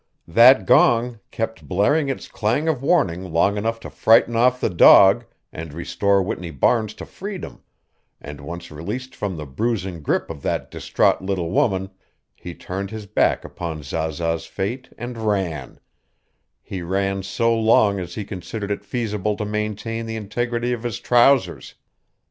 That gong kept blaring its clang of warning long enough to frighten off the dog and restore Whitney Barnes to freedom, and once released from the bruising grip of that distraught little woman he turned his back upon Zaza's fate and ran he ran so long as he considered it feasible to maintain the integrity of his trousers.